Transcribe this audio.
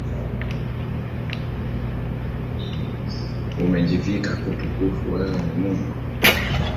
Umejivika utukufu, wewe ni Mungu